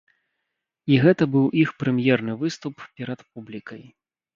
І гэта быў іх прэм'ерны выступ перад публікай.